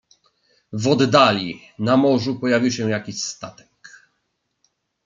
"W oddali, na morzu pojawił się jakiś statek."